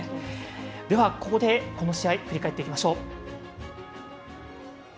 では、ここで、この試合振り返っていきましょう。